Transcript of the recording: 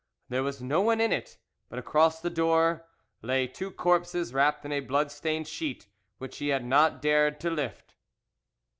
There was no one in it, but across the door lay two corpses wrapped in a blood stained sheet which he had not dared to lift.